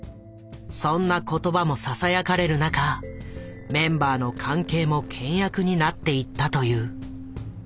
そんな言葉もささやかれる中メンバーの関係も険悪になっていったという。